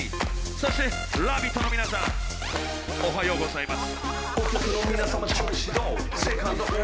そして「ラヴィット！」の皆さんおはようございます。